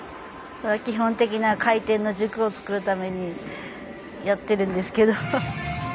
基本的な回転の軸を作るためにやっているんですけど。